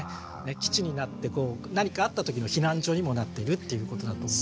基地になって何かあったときの避難所にもなってるということだと思います。